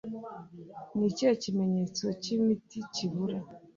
Nikihe kimenyetso Cyimiti Kibura